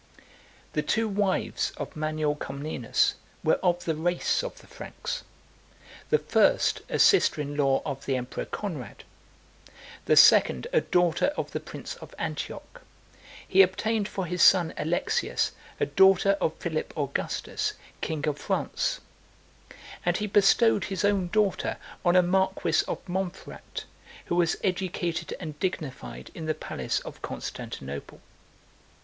13 The two wives of Manuel Comnenus 14 were of the race of the Franks: the first, a sister in law of the emperor Conrad; the second, a daughter of the prince of Antioch: he obtained for his son Alexius a daughter of Philip Augustus, king of France; and he bestowed his own daughter on a marquis of Montferrat, who was educated and dignified in the palace of Constantinople.